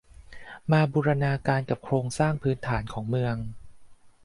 มาบูรณาการกับเรื่องโครงสร้างพื้นฐานของเมือง